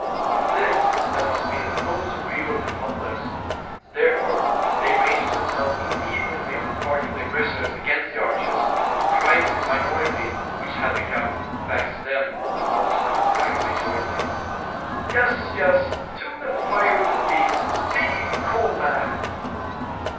It was this that must be most agreeable to the populace: therefore, they ranged themselves immediately on the party of the aggressors against the archers, crying with the minority, which had become, thanks to them, the most compact majority: "Yes, yes: to the fire with the thieves! Vive Colbert!"